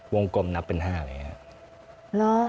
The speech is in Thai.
๑๒๓๔วงกลมนับเป็น๕อย่างนี้ครับ